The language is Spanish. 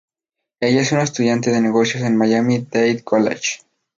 Ella es una estudiante de negocios en Miami Dade College.